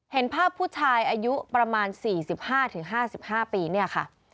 เห็นภาพผู้ชายอายุประมาณ๔๕๕ปีเนี่ยค่ะ